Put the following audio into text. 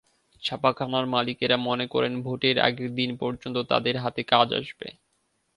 ছাপাখানার মালিকেরা মনে করেন, ভোটের আগের দিন পর্যন্ত তাঁদের হাতে কাজ আসবে।